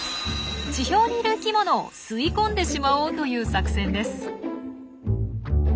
地表にいる生きものを吸い込んでしまおうという作戦です。